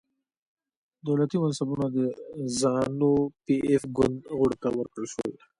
دولتي منصبونه د زانو پي ایف ګوند غړو ته ورکړل شول.